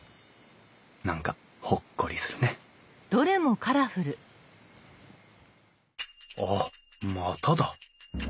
何かほっこりするねあっまただ。